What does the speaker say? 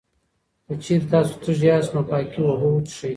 که چېرې تاسو تږی یاست، نو پاکې اوبه وڅښئ.